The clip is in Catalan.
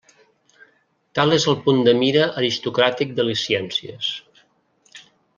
Tal és el punt de mira aristocràtic de les ciències.